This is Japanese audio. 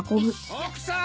・奥さん。